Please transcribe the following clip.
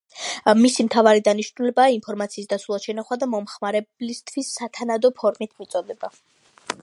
მისი მთავარი დანიშნულებაა ინფორმაციის დაცულად შენახვა და მომხმარებლისთვის სათანადო ფორმით მიწოდება.